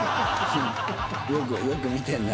よくよく見てるな。